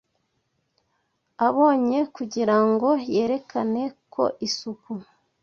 abonye kugira ngo yerekane ko isuku